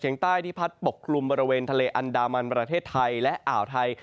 ใต้ที่พัดปกคลุมบริเวณทะเลอันดามันประเทศไทยและอ่าวไทย